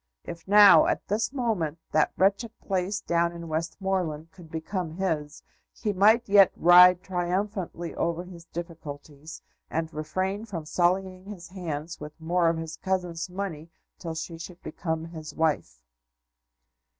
If now, at this moment, that wretched place down in Westmoreland could become his, he might yet ride triumphantly over his difficulties, and refrain from sullying his hands with more of his cousin's money till she should become his wife.